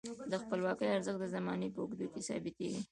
د خپلواکۍ ارزښت د زمانې په اوږدو کې ثابتیږي.